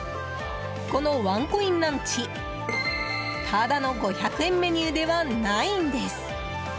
このワンコインランチただの５００円メニューではないんです。